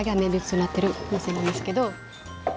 なってるお店なんですけど。